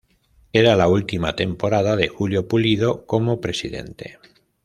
Era la última temporada de Julio Pulido como presidente.